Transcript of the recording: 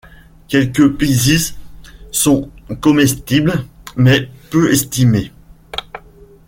Quelques pézizes sont comestibles mais peu estimées.